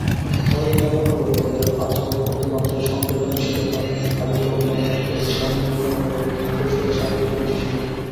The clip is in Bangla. তাহলে কেমন হবে বড়দের আচরণঅতিমাত্রায় সংবেদনশীলতা, আবেগপ্রবণতা, অতি স্বাধীনচেতা মনোভাব কৈশোরের স্বাভাবিক বৈশিষ্ট্য।